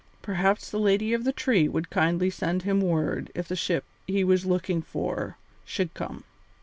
Perhaps the lady of the tree would kindly send him word if the ship he was looking for should come.